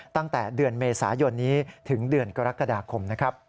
ตั้งแต่เดือนเมษายนถึงเดือนกรกฎาคม